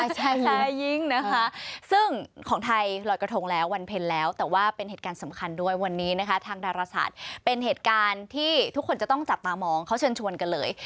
ใช่ยิ่งนะคะซึ่งของไทยลอยกระทงแล้ววันเพ็ญแล้วแต่ว่าเป็นเหตุการณ์สำคัญด้วยวันนี้นะคะทางดาราศาสตร์เป็นเหตุการณ์ที่ทุกคนจะต้องจับตามองเขาเชิญชวนกันเลย